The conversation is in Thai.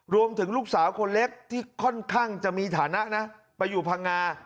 ลูกสาวคนเล็กที่ค่อนข้างจะมีฐานะนะไปอยู่พังงา